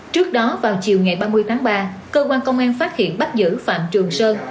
trước đó vào chiều ngày ba mươi tháng ba cơ quan công an phát hiện bắt giữ phạm trường sơn